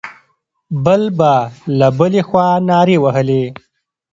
بل به له بلې خوا نارې وهلې.